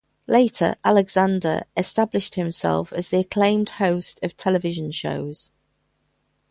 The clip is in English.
Later, Alexander established himself as the acclaimed host of television shows.